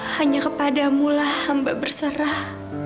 hanya kepadamulah hamba berserah